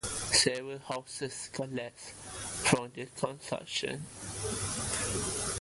Several houses collapsed from the concussion.